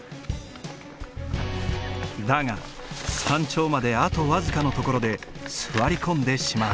だが山頂まであと僅かの所で座り込んでしまう。